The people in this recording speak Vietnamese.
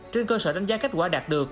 trên cơ sở đánh giá kết quả đạt được